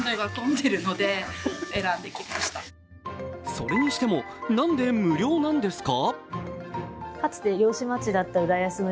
それにしても、なんで無料なんですか？